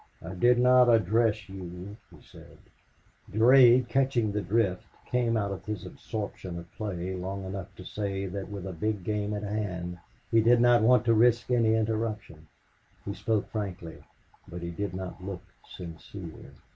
"I did not address you," he said. Durade, catching the drift, came out of his absorption of play long enough to say that with a big game at hand he did not want to risk any interruption. He spoke frankly, but he did not look sincere.